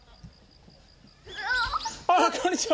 あっこんにちは。